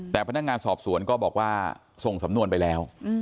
แต่พนักงานสอบสวนก็บอกว่าส่งสำนวนไปแล้ว